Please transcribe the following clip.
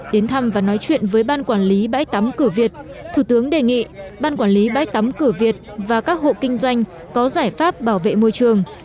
đến thăm và nói chuyện với ban quản lý bãi tắm cửa việt thủ tướng đề nghị ban quản lý bãi tắm cửa việt và các hộ kinh doanh có giải pháp bảo vệ môi trường